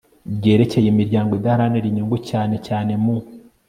ryerekeye imiryango idaharanira inyungu cyane cyane mu